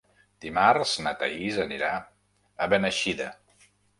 Dimarts na Thaís anirà a Beneixida.